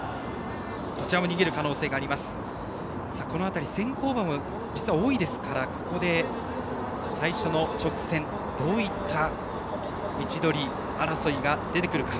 この辺り先行馬も実は多いですからここで最初の直線どういった位置取り争いが出てくるか。